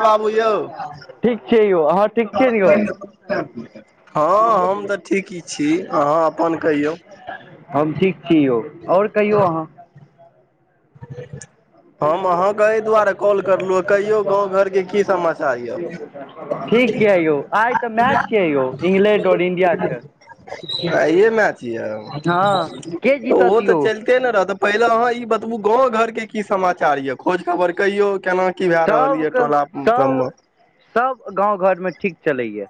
बाबू यौ हँ हम तऽ ठीके छी अहाँ अपन कहियौ हम ठीक छी यौ आओर कहियौ अहाँ [unintelligible] हम अहाँके एहि दुआरे कॉल करलु कहियौ गाँव घरके की समाचार यऽ [unintelligible] आइए मैच य ओहो तऽ चलिते के ने रहत पहिले अहाँ ई बतबू गाँंव घर के की समाचार या खोज खबर कहियो केना की भए रहल यऽ टोला सबमे सब गाँव घरमे ठीक चलैए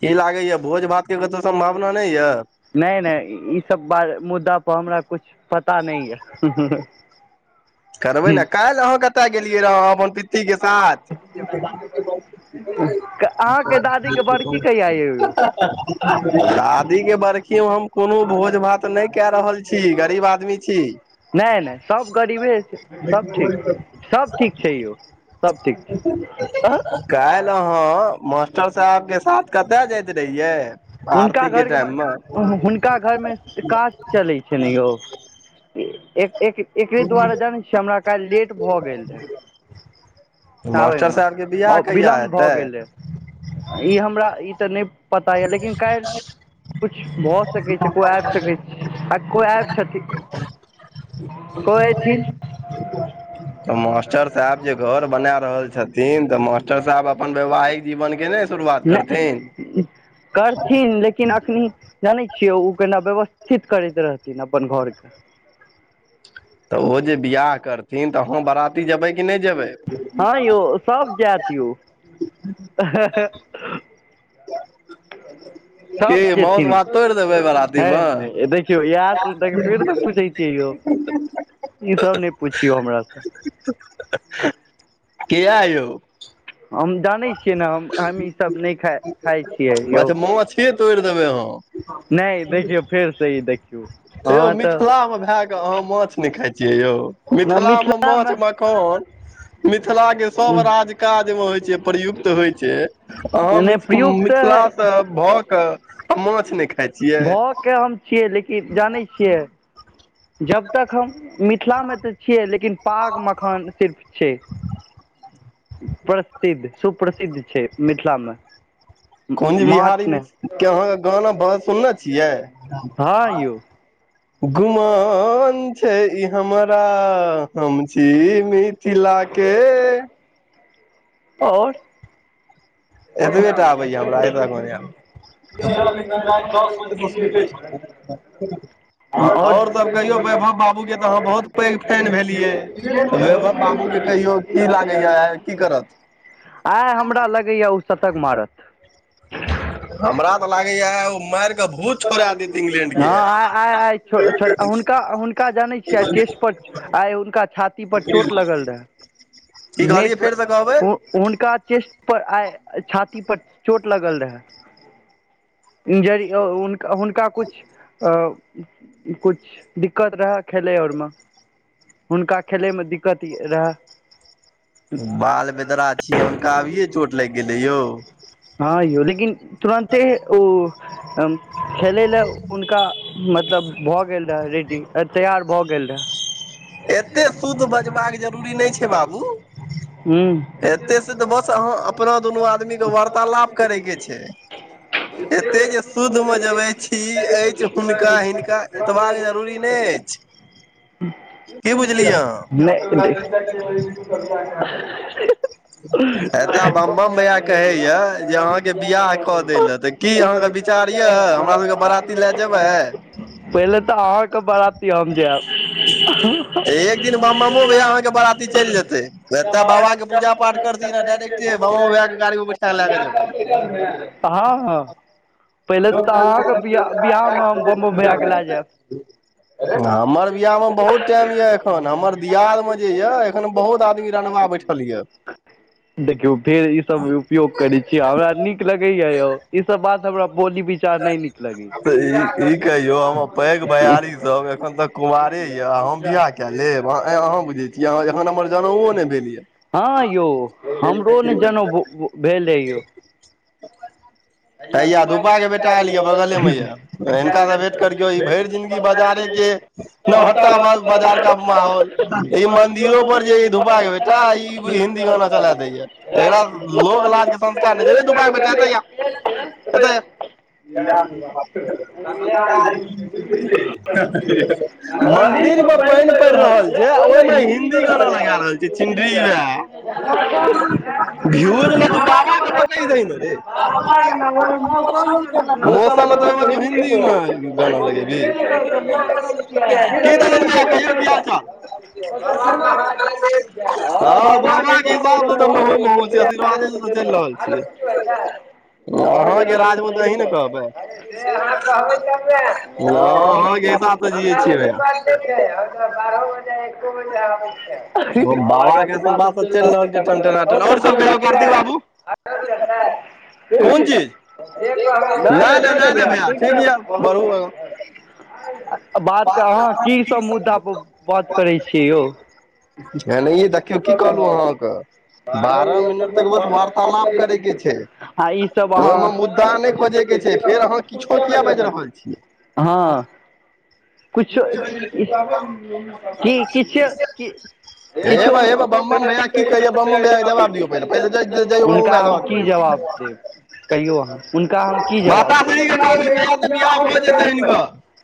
की लागे या भोज भात के कतो सम्भावना नय य नय नय ई सब बा मुद्दा पर हमरा कुछ पता नहि यऽ करबै ने काल्हि अहाँ कतय गेलियै रह अपन पितिके साथ शादी के बाद देखियौ हम कोनो भोज भात नहि क रहल छी गरीब आदमी छी नहि नहि सब गरीबे छै सब ठीक सब ठीक छै यौ सब ठीक छै काल्हि अहाँ मास्टर साहब के साथ कतए जाइत रहियै हुनका घर हुनका घरमे काज चलै छै ने यौ एक एक एकरे दुआरे जानै छियै हमरा काल्हि लेट भए गेल रहे आबयमे आ विलम्ब भऽ गेलै ई हमरा ई तऽ नहि पता यए लेकिन काल्हि किछु भऽ सकै छै कोइ आबि सकै छै आ कोय आयबि छथिन कोइ अयथिन ह तऽ मास्टर साहेब जे घर बनैय रहल छथिन तऽ मास्टर साहेब अपन वैवहिक जीवन के ने नइ करथिन लेकिन एखनी जानै छियै ओ केना व्यवस्थित करैत रहथिन अपन घरके तऽ ओ जे बियाह कर हँ यौ सब जाइत यो ह [inaudible] [unintelligible] की मौस भाात तोइड़ देबै बारती म [unintelligible] ई सब नइ पुछियौ हमरा स किया यौ हम जानै छियै न हम हम ईसभ नइ खा खाइ छियै यौ नइ देखियौ फेर से ई देखियौ यौ मिथिलामे भए कऽ आहाँ माछ नइ खाइ छियै यौ मिथिला मे माछ मखान मिथिला के सब राज काज मे होइ जे प्रयुक्त होइ छै अहाँ मिथ मिथिलासँ भऽ कऽ माछ नइ खाइ छियै छियै लेकिन जानै छियै जब तक हम मिथिला मे तऽ छियै लेकिन पाग मखान सिर्फ छै प्रसिद्ध सुप्रसिद्ध छै मिथिला मे कुंज बिहारी मिश्र के अहाँके गाना भजन सुनने छियै गुमान छै ई हमरा हम छी मिथिला के आओर [unintelligible] [unintelligible] आओर [unintelligible] आइ हमरा लगैए उ सतक मारत हँ आ आ आइ छोड़ छोड़ हुनका हुनका जानै छियै आइ चेस्ट पर आइ हुनका छाती पर चोट लगल रहै नेट पर हुनका चेस्ट पर आइ छाती पर चोट लगल रहै जरी ओ हुन हुनका कुछ अ कुछ दिक्कत रहैय खेलै आर म हुनका खेले मे दिक्कत रहै बाल बेदरा छियै हुनका अभिये चोट लाइग गेलै यौ ह यौ लेकिन तुरन्ते ओ खेलै लऽ हुनका मतलब भऽ गेल रहय रेडी तैयार भऽ गेल रहै एतेक शुद्ध बजबाक जरूरी नइ छै बाबू एते से तऽ बस अहाँ अपना दुनू आदमी के वार्तालाप करै केऽ छै [unintelligible] एते जे शुद्ध मे जे छी अछि हुनका हिनका एतबाक जरूरी नइ अछि [unintelligible] [unintelligible] एता बामबम भैया कहै यऽ जे अहाँके बियाह कऽ दै ल तऽ की अहाँके बिचार विचार ये हमरा सबके बारती लए जेबै पहिले तऽ अहाँ कऽ बाराती हम जैब एक दिन बमबमो भैया अहाँके बारती चइल जेतै एतअ बाबा के पूजा पाठ करतीहिन ने डायरेक्टे बमबमो भइया के गाड़ी बैठा क लेय क जेबै हँ हँ [unintelligible] हमर बियाहमे बहुत टाइम य एखन हमर दियादमे जे य अखन बहुत आदमी रनवा बैठल य। देखियौ फेर ई सब उपयोग करै छीय हमरा नीक लगैया यौ ई सब बात हमरा बोली विचार नहि नीक लगैया। तऽ ई ई कहियौ हमर पैघ भैयारी सब एखन तक कुमारे यए हम बियाह कय लेब अहाँ बुझैत छीयै एखन हमर जनेउओ नहि भेल य। हँ यौ हमरो ने जेनउ भेल हे यौ। [unintelligible] टा आयल यऽ बगले मे यऽ हिनका से वेट करियौ ई भरि जिन्दगी बजारे के नौहट्टा बाजार का माहौल ई मंदिरो पर जे धुपटा के बेटा ई हिन्दी गाना चला दैया एकरा लो लाजके संस्कार नहि रे धुरूपा के बेटा एत आ। एतऽ आ। [unintelligible] मंदिर मे पानि पड़ि रहल छैय ओहिमे हिन्दी गाना लगा रहल छैय। छिनरी भय भिवज ला तु बाबा के बदल दही न रे। [unintelligible] मौसम में एकर मतलब तू हिन्दीमे गाना लगेबी? की दनन्द भैया कहिया बियाह छह? हँ बाबा के हिसाब तऽ महो महो छैय आशीर्वाद चलि रहल छियै। [unintelligible] जे अहाँ कहबै तबने [unintelligible] [unintelligible] [unintelligible] कोन चीज? नहि नहि नहि नहि भैया। बात कहाँ की सभ मुद्दा पर बात करै छियै यौ? [unintelligible] हाँ ई सब अहाँ हँ कुछु कि किछु कि किछू हुनका हम की जवाब देब? कहियौ अहाँ हुनका हम की जवाब देब? [unintelligible] [unintelligible] [unintelligible]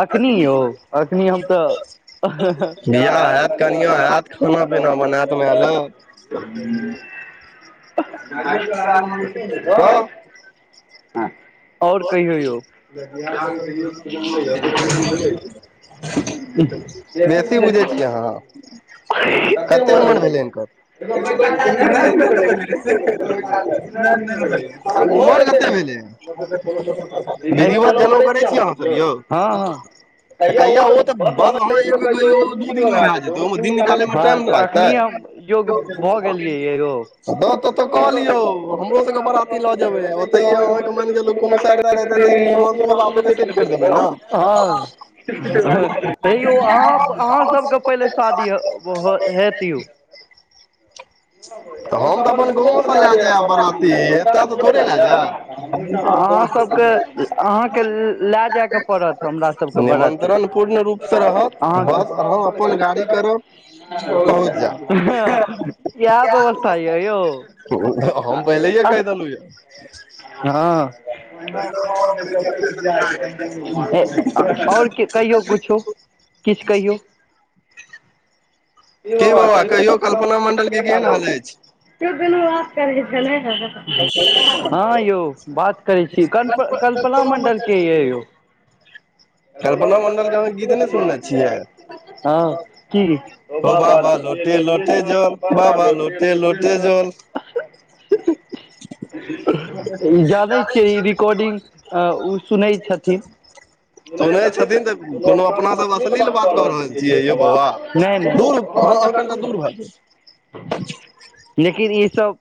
अखनी यौ एखनि हम तऽ [unintelligible] [unintelligible] हँ [unintelligible] बेसी बुझै छियै अहाँ। [unintelligible] [unintelligible] [unintelligible] विधिवत जनउ करै छी अहाँसभ यौ? तऽ कहिया ओ तऽ बस अहाँ एक बेर कहियो दू दिनमे भए जेतै ओहिमे दिन निकालैमे टाइम नहि लागतै। द तऽ कहलियौ हमरो सबके बड़ा ती लऽ जेबै ओतय अहाँके मनेज कोनो सायर तायर हेतै तऽ हेमन्तो बाबूके ऐते छेड़ देबै ने। [unintelligible] [unintelligible] तऽ हम तऽ अपन गाँवसँ लए जायब बराती एतय तऽ थोड़े लए जायब निमंत्रण पूर्ण रूप से रहत बस अहाँ अपन गाड़ी करब कहहुत जा हम पहिले कह [unintelligible] चलू यौ हँ आओर कहियौ किछो किछ कहियौ ई बाबा कपना म नहि आलै [unintelligible] त दुनू आफ करना [unintelligible] हँ यौ बात करै छी कल्पना मंडल के यै यौ हँ कि हौ बाबा लोटे लोटे जोल बाबा लोटे लोटे जोल [unintelligible] जानै छियै ई रिकॉर्डिंग उ सुनै छथिन सुनै छथिन तऽ कोनो अपना सब अश्लील बात कऽ रहल छियै यौ बाबा दूर ह एखन तऽ दूर भऽ लेकिन ई सब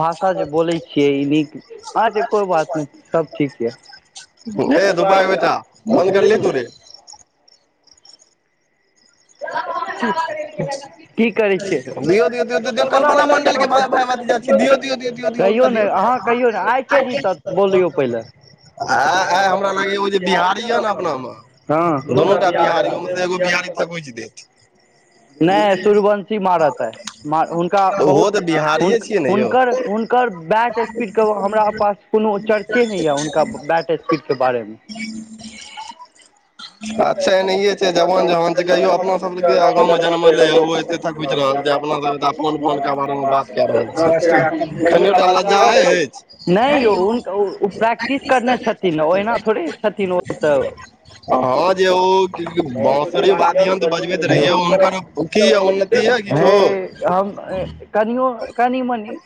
भाषा जे बोलै छियै ई नीक अच्छा कोइ बात नहि सब ठीक यै दुबा के बेटा फोन उठयलहीं तूं [unintelligible] दियौ दियौ दियौ कल्पना मंडल केय दिऔ दिऔ दिऔ दिऔ दिऔ हुनका दिऔ आय आय हमरा लागैया ओ जे बिहारी यै ने अपनामे दुनू टा बिहारी ओहिमे से एगो बिहारी दबोची देत नहि सूर्यवंशी मारत है हुनका बहुत हुनकर हुन कर बैट स्पीडके हमरा पास कोनो चर्चे नहि यऽ हुनका बैट स्पीडके बारेमे अच्छा एनाे छै जवान जवान को अपना सबके गाँव मे जनमले हे ओ एते थकुच रहल जे अपना सब फो पन के बारे मे बात क रहल दस टका कनियोटा लजा अछि नहि यौ प्रैक्टिस करने छथिन ओहिना थोड़े छथिन ओ तऽ हँ जे बँशुरी बादियंत बजबैत रहिय हुनकर की यै उन्नति यऽ किछो कनियो कनिमनि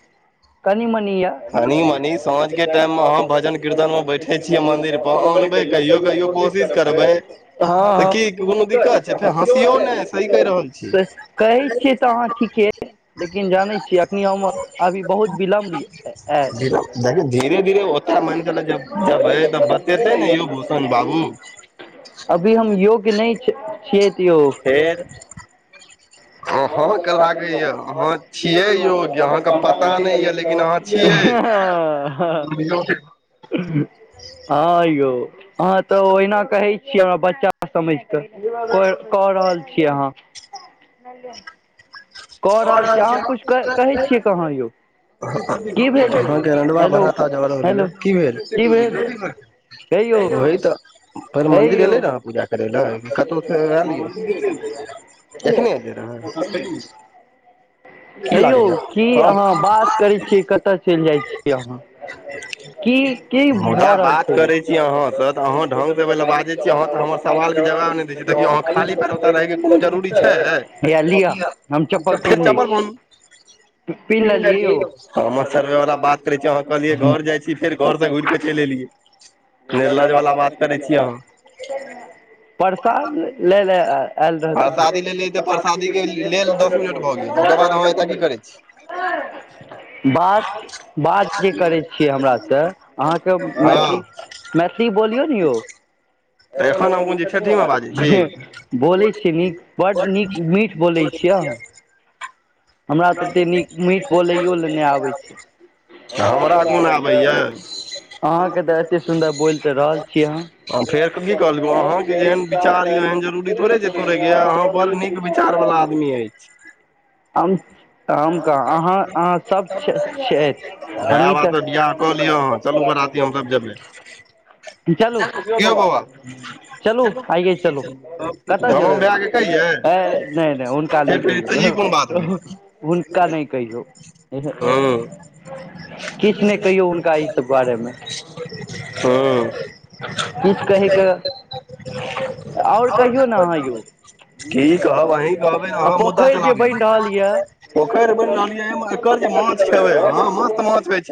कनिमनि यऽ कनि मनी साँझ के टाइम मे अहाँ भजन कीर्तन में बैठे छियै मंदिर पर अनबै कहियो कहियो को कोशिश करबै तऽ की कोनो दिक्कत छै फेर हँसियो नहि कहै छियै तऽ अहाँ ठीके लेकिन जाने छियै अखनी हम अभी बहुत विलम्ब [unintelligible] अभी हम योग्य नहि छियै यो फेर [unintelligible] [unintelligible] हँ यौ अहाँ तऽ ओहिना कहै छियै हमरा बच्चा बच्चा समझि कऽ कऽ रहल छियै अहाँ [unintelligible] अहाँके रण्डवा बढ़ाता जा रहल यै की भेल वहि तऽ फेर मन्दिर एयलै नै पूजा करय लए कतहु फेर आएलियै एखने जा रहल छीये हे यौ की अहाँ बात करै छियै कतय चलि जाइ छियै अहाँ की की भऽ रहल छै जरूरी छै [inaudible] हया लिअ हम चपल चपल [inaudible] हमर सर्वे वाला बात करै छी अह कहलियै घर जाय छी फेर घर से घुरिक चलि एलिय निर्लज वला बात करै छीये अहाँ स ने [inaudible] परसाद लै लऽ आयल रहथिन [inaudible] बात बात जे करैत छियै हमरासँ अहाँके मैथिली मैथिली बोलियौ ने यौ एखन हमहूँ कथि मे बात करै छिय बोलै छियै नीक बड नीक मीठ बोलै छियै हमरा तऽते नीक मीठ बोलैयो ले नहि आबै छै हमरा बोलय आबेया अहाँके तऽ एते सुन्दर बोलि तऽ रहल छीयै अहाँ [inaudible] हम हम कहाँ अहाँ अहाँ सब छ छथि हमहीटा [inaudible] चलू कि यौ बाबा चलू आइ चलू कतऽ जेबै हय नहि नहि उ हुनका नहि कहियौ हह हुनका नहि कहियौ हुँ आज कल [inaudible] की कहब अहीँ कहबै अहाँ मुद्दा चलाबी क लिअ पोखरि बनि रहलिय एकर जे माछ खेबे यहाँ मस्त माछ अछि